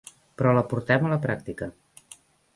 Però la portem a la pràctica.